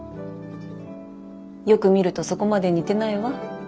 よく見るとそこまで似てないわ。